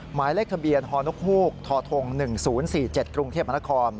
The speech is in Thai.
หมายเลขทะเบียนฮฮธ๑๐๔๗กรุงเทพมค